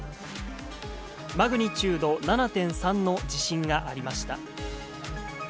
マグニチュード７．３の地震がありました。